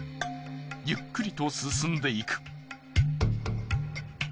ゆっくりと進んでいく。